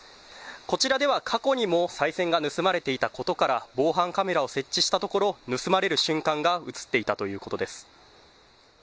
こちらでは過去にもさい銭が盗まれていたことから防犯カメラを設置したところ盗まれる瞬間が写っていたということです。